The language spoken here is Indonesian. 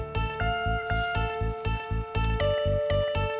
satu lawan satu